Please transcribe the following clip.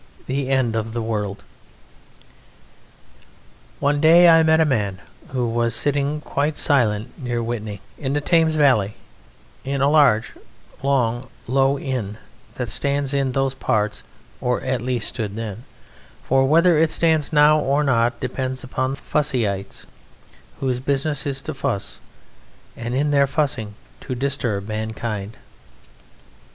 The End Of The World One day I met a man who was sitting quite silent near Whitney, in the Thames Valley, in a very large, long, low inn that stands in those parts, or at least stood then, for whether it stands now or not depends upon the Fussyites, whose business it is to Fuss, and in their Fussing to disturb mankind.